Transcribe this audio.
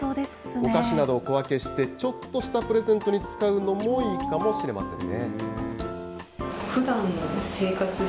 お菓子などを小分けして、ちょっとしたプレゼントに使うのもいいかもしれませんね。